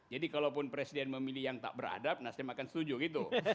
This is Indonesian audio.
jadi kalaupun presiden memilih yang tak beradab nasdem akan setuju gitu